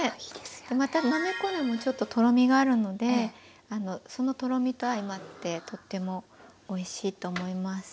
またなめこにもちょっととろみがあるのでそのとろみと相まってとってもおいしいと思います。